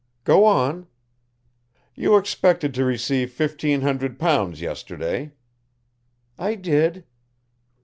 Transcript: "Go on." "You expected to receive fifteen hundred pounds yesterday?" "I did."